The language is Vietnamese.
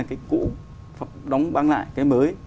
cái cũ đóng băng lại cái mới